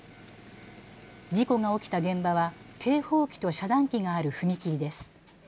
事故が起きた現場は警報機と遮断機がある踏切です。